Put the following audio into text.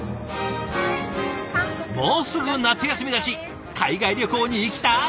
もうすぐ夏休みだし海外旅行に行きたい！